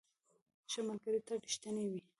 ښه ملګري تل رښتیني وي.